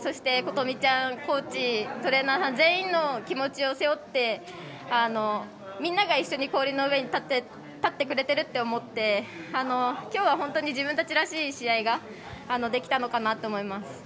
そして、琴美ちゃんコーチ、トレーナー全員の気持ちを背負ってみんなが一緒に氷の上に立ってくれてると思って、きょうは、本当に自分たちらしい試合ができたのかなと思います。